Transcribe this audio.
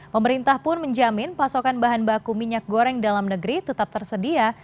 pemerintah pun menjamin pasokan bahan baku minyak goreng dalam negeri tetap tersedia